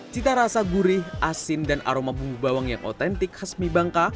cita rasa gurih asin dan aroma bumbu bawang yang otentik khas mie bangka